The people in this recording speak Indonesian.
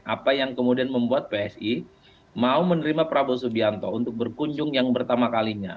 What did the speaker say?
apa yang kemudian membuat psi mau menerima prabowo subianto untuk berkunjung yang pertama kalinya